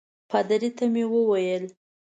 پادري ته مې وویل.